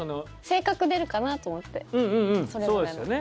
性格出るかなと思ってそれぞれの。